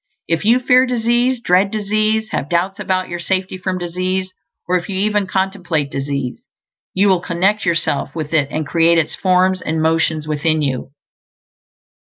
If you fear disease, dread disease, have doubts about your safety from disease, or if you even contemplate disease, you will connect yourself with it and create its forms and motions within you.